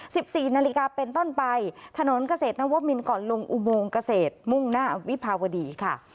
สิบสี่นาฬิกาเป็นต้นไปถนนเกษตรนวมินก่อนลงอุโมงเกษตรมุ่งหน้าวิภาวดีค่ะ